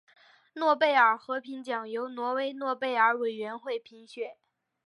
诺贝尔和平奖由挪威诺贝尔委员会评选。